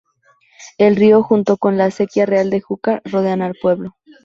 El río junto con la Acequia Real del Júcar rodean el pueblo.